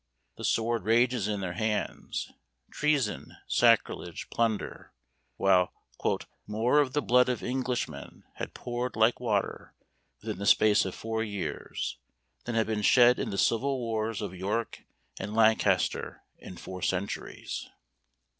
The sword rages in their hands; treason, sacrilege, plunder; while "more of the blood of Englishmen had poured like water within the space of four years, than had been shed in the civil wars of York and Lancaster in four centuries!"